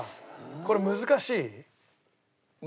これ難しい？